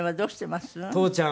父ちゃん